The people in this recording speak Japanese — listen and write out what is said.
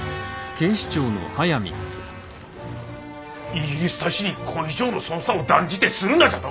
イギリス大使にこい以上の捜査を断じてするなじゃと！？